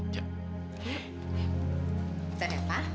kita deh pak